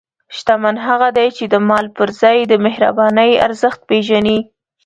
شتمن هغه دی چې د مال پر ځای د مهربانۍ ارزښت پېژني.